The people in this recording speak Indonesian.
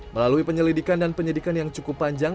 melalui penyelidikan dan penyidikan yang cukup panjang